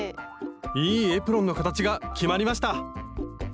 いいエプロンの形が決まりました